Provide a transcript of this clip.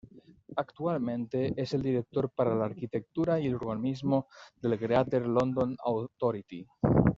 Actualmente, es el director para la arquitectura y el urbanismo del "Greater London Authority".